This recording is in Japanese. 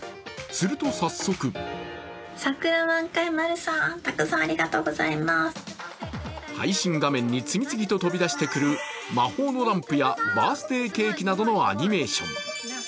すると早速配信画面に次々と飛び出してくる魔法のランプやバースデーケーキなどのアニメーション。